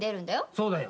そうだよ。